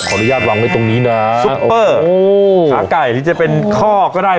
ขออนุญาตลองไว้ตรงนี้น่ะสุปเปอร์โอ้ขาไก่ที่จะเป็นข้อก็ได้